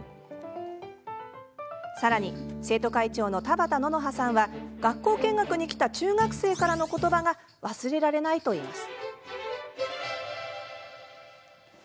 さらに生徒会長の田畑希乃羽さんは学校見学に来た中学生からのことばが忘れられないと言います。